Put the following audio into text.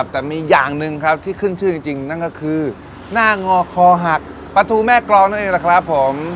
แต่มีอย่างหนึ่งครับที่ขึ้นชื่อจริงนั่นก็คือหน้างอคอหักปลาทูแม่กรองนั่นเองแหละครับผม